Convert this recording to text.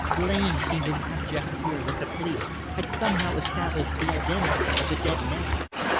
Blain seemed in abject fear that the police had somehow established the identity of the dead man.